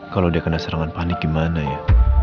kalau dia kena serangan panik gimana ya